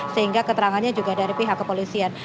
sehingga keterangannya juga dari pihak kepolisian